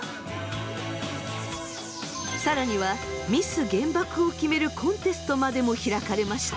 更には「ミス原爆」を決めるコンテストまでも開かれました。